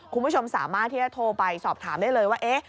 คุณผู้ชมสามารถที่จะโทรไปสอบถามได้เลยว่า